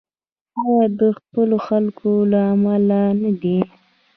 آیا د خپلو خلکو له امله نه دی؟